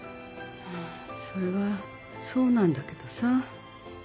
それはそうなんだけどさ。